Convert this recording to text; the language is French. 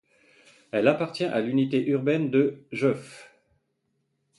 Elle appartient à l'unité urbaine de Jœuf.